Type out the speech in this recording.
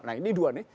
nah ini dua nih